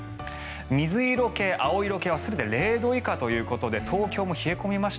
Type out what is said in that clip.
水色系、青色系は全て０度以下ということで東京も冷え込みました。